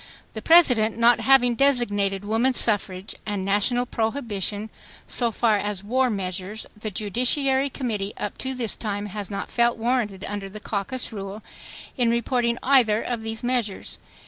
The President, not having designated woman suffrage and national prohibition so far as war measures, the judiciary committee up to this time has not felt warranted under the caucus rule, in reporting either of these measures.